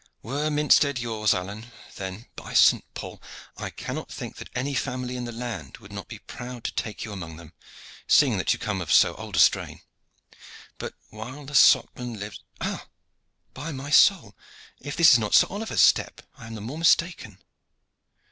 "Were Minstead yours, Alleyne, then, by St. Paul! I cannot think that any family in the land would not be proud to take you among them, seeing that you come of so old a strain. But while the Socman lives Ha, by my soul! if this is not Sir Oliver's step I am the more mistaken."